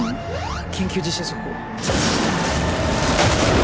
緊急地震速報